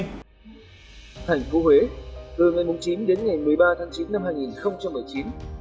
thành phố huế từ ngày chín đến ngày một mươi ba tháng chín năm hai nghìn một mươi chín